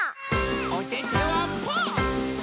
おててはパー！